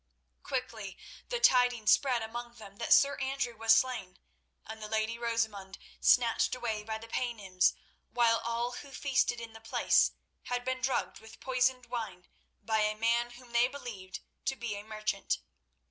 Quickly the tidings spread among them that Sir Andrew was slain, and the lady Rosamund snatched away by Paynims, while all who feasted in the place had been drugged with poisoned wine by a man whom they believed to be a merchant.